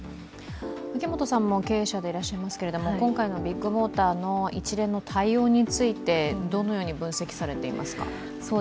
秋元さんも経営者でいらっしゃいますけど、今回のビッグモーターの一連の対応についてどのように分析されていますか？